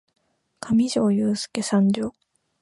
かみじょーゆーすーけ参上！